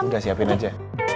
enggak siapin aja